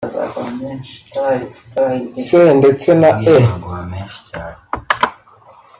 C ndetse na E